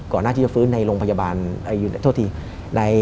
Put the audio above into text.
หน้าที่จะฟื้นในโรงพยาบาลโทษที